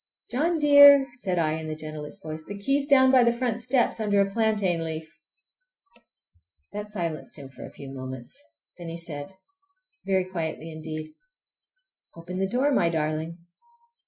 "John dear!" said I in the gentlest voice, "the key is down by the front steps, under a plantain leaf!" That silenced him for a few moments. Then he said—very quietly indeed, "Open the door, my darling!"